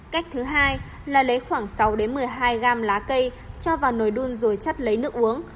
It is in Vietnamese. cách thứ hai là lấy khoảng sáu một mươi hai gam lá cây cho vào nồi đun rồi chắc lấy nước uống